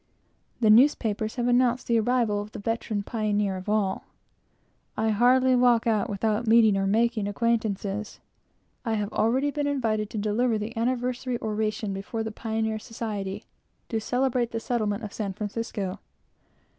The newspapers have announced the arrival of the veteran pioneer of all. I hardly walk out without meeting or making acquaintances. I have already been invited to deliver the anniversary oration before the Pioneer Society, to celebrate the settlement of San Francisco.